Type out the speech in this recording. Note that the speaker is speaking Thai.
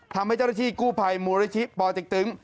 ทำให้เจ้าราชีกู้ภัยมูราชีปอติกตึง